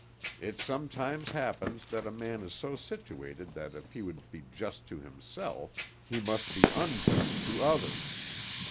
It sometimes happens that a man is so situated that if he would be just to himself he must be unjust to others.